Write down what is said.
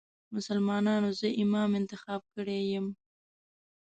مسلمانانو زه امام انتخاب کړی یم.